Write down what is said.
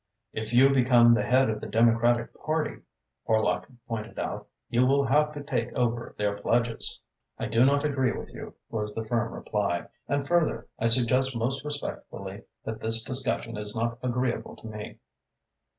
"If you become the head of the Democratic Party," Horlock pointed out, "you will have to take over their pledges." "I do not agree with you," was the firm reply, "and further, I suggest most respectfully that this discussion is not agreeable to me."